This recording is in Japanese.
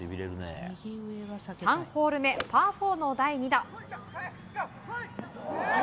３ホール目、パー４の第２打。